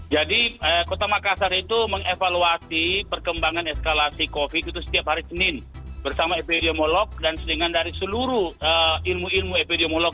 jadi kota makassar itu mengevaluasi perkembangan eskalasi covid itu setiap hari senin bersama epidemiolog dan selingan dari seluruh ilmu ilmu epidemiolog